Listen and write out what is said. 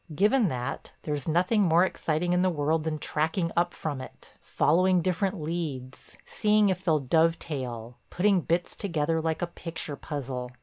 Given that, there's nothing more exciting in the world than tracking up from it, following different leads, seeing if they'll dovetail, putting bits together like a picture puzzle.